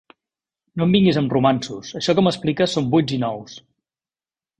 No em vinguis amb romanços: això que m'expliques són vuits i nous.